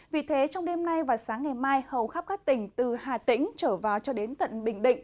vì thế trong đêm nay và sáng ngày mai hầu khắp các tỉnh từ hà tĩnh trở vào cho đến tận bình định